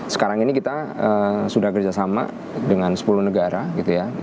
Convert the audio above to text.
sekarang ini kita sudah kerjasama dengan sepuluh negara gitu ya